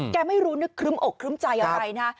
แกไม่รู้นึกคลึมอกคลึมใจอะไรนะ